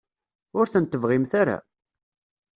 Ur tent-tebɣimt ara?